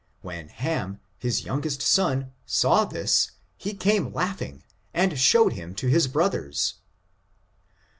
When Uamj his youngest son, saw this, he came laughing and showed him to his brothers."